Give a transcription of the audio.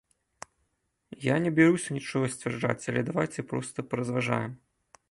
Я не бяруся нічога сцвярджаць, але давайце проста паразважаем.